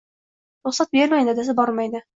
Ruxsat bermang, dadasi, bormaydi